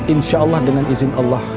insyaallah dengan izin allah